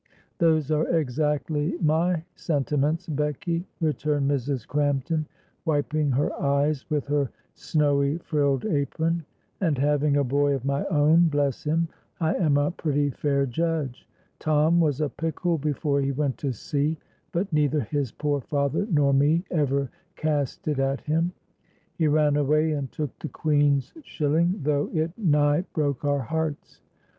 "Those are exactly my sentiments, Becky," returned Mrs. Crampton, wiping her eyes with her snowy frilled apron, "and having a boy of my own, bless him, I am a pretty fair judge. Tom was a pickle before he went to sea, but neither his poor father nor me ever cast it at him. He ran away and took the Queen's shilling, though it nigh broke our hearts.